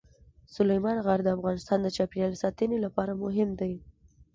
سلیمان غر د افغانستان د چاپیریال ساتنې لپاره مهم دي.